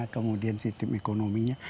kemudian sistem ekonominya